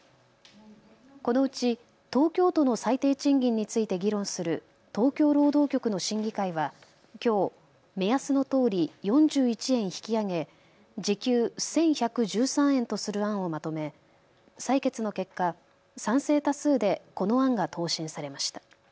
このうち東京都の最低賃金について議論する東京労働局の審議会はきょう、目安のとおり４１円引き上げ時給１１１３円とする案をまとめ、採決の結果、賛成多数でこの案が答申されました。